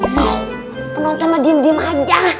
shhh penontonlah diem diem aja